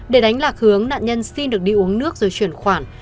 để đánh lạc hướng nạn nhân xin được đi uống nước rồi chuyển khoản